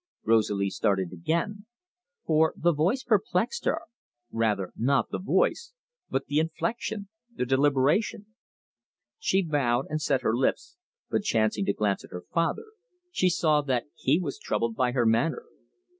Rosalie started again, for the voice perplexed her rather, not the voice, but the inflection, the deliberation. She bowed, and set her lips, but, chancing to glance at her father, she saw that he was troubled by her manner.